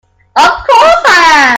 Of course I am!